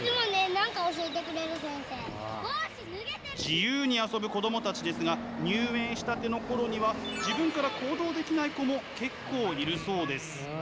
自由に遊ぶ子供たちですが入園したての頃には自分から行動できない子も結構いるそうです。